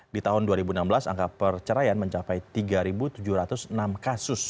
di tahun dua ribu enam belas angka perceraian mencapai tiga tujuh ratus enam kasus